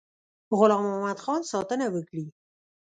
غلام محمدخان ساتنه وکړي.